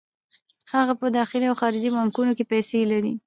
هغه په داخلي او خارجي بانکونو کې پیسې لري